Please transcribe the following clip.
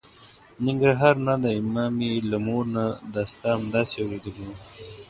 ننګرهار نه دی، ما مې له مور نه دا ستا همداسې اورېدې وه.